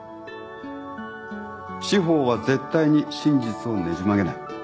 司法は絶対に真実をねじ曲げない。